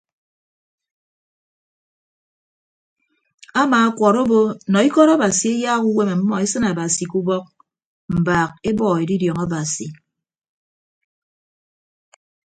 Amaakwọọrọ obo nọ ikọt abasi eyaak uwem ọmmọ esịn abasi ke ubọk mbaak ebọ edidiọñ abasi.